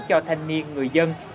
cho thanh niên người dân